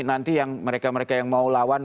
nanti yang mereka mereka yang mau lawan